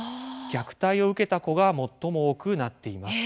虐待を受けた子が最も多くなっています。